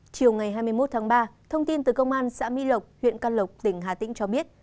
chiều ngày hai mươi một tháng ba thông tin từ công an xã mỹ lộc huyện can lộc tỉnh hà tĩnh cho biết